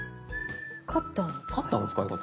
「カッターの使い方」。